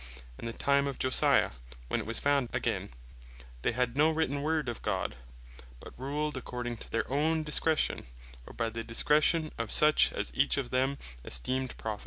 and the time of Josiah, when it was found againe, they had no written Word of God, but ruled according to their own discretion, or by the direction of such, as each of them esteemed Prophets.